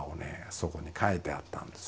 そこに書いてあったんですよ。